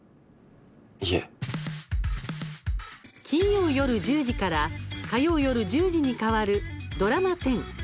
金曜夜１０時から火曜夜１０時に変わるドラマ１０。